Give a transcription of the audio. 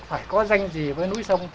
phải có danh gì với núi sông